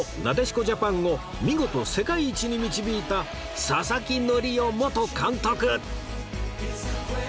なでしこジャパンを見事世界一に導いた佐々木則夫元監督